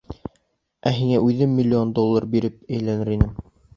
Ә һиңә үҙем миллион доллар биреп әйләнер инем.